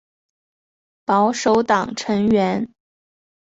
保守党成员。